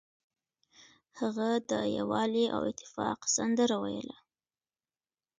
هغه د یووالي او اتفاق سندره ویله.